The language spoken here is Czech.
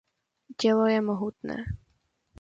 Tělo je mohutné.